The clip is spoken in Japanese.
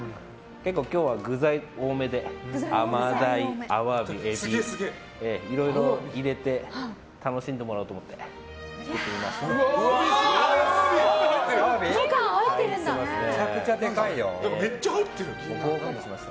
今日は具材多めでアマダイ、アワビ、エビいろいろ入れて楽しんでもらおうと思って作ってみました。